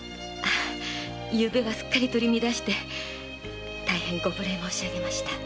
昨夜はすっかり取り乱して大変ご無礼を申し上げました。